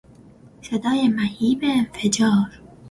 صدای مهیب انفجار